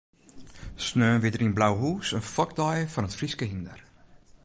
Sneon wie der yn Blauhûs in fokdei fan it Fryske hynder.